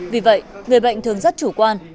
vì vậy người bệnh thường rất chủ quan